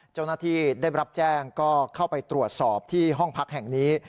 เจ้าหน้าที่ได้รับแจ้งก็เข้าไปตรวจสอบที่ห้องพักแห่งนี้